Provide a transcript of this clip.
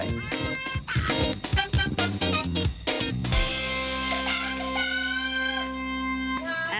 จ๊ะับจ๊ะับ